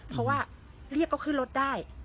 เพราะว่าเรียกก็ขึ้นรถได้